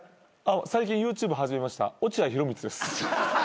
最近ＹｏｕＴｕｂｅ始めました落合博満です。